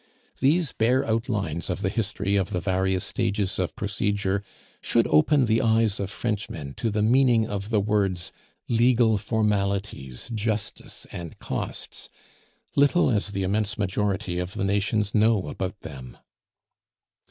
These bare outlines of the history of the various stages of procedure should open the eyes of Frenchmen to the meaning of the words "legal formalities, justice, and costs," little as the immense majority of the nations know about them.